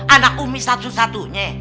anak umi satu satunya